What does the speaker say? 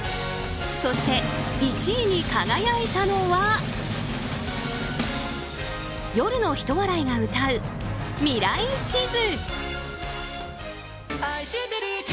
そして１位に輝いたのは夜のひと笑いが歌う「ミライチズ」。